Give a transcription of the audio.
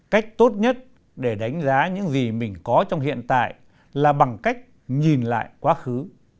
cách tốt nhất để đánh giá những gì mình có trong hiện tại là bằng cách nhìn lại quá khứ